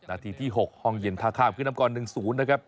นาทีที่๖ห้องเย็นท่าข้ามขึ้นนำก่อน๑๐นะครับ